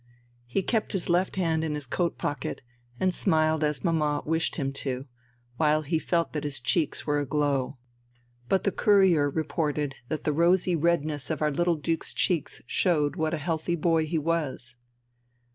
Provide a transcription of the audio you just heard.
He kept his left hand in his coat pocket and smiled as mamma wished him to, while he felt that his cheeks were aglow. But the Courier reported that the rosy redness of our little duke's cheeks showed what a healthy boy he was.